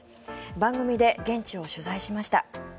番組で現地を取材しました。